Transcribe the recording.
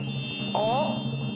あっ？